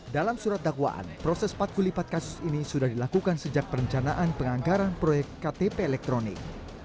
dalam surat dakwaan proses patkulipat kasus ini sudah dilakukan sejak perencanaan penganggaran proyek ktp elektronik